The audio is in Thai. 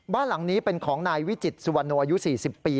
บ้านหลังนี้เป็นของนายวิจิตสุวรรณโนอายุ๔๐ปี